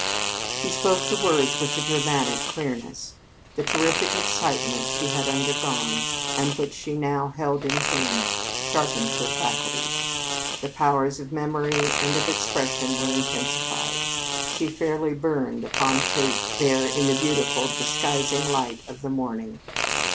She spoke the words with a dramatic clearness. The terrific excitement she had undergone, and which she now held in hand, sharpened her faculties. The powers of memory and of expression were intensified. She fairly burned upon Kate there in the beautiful, disguising light of the morning.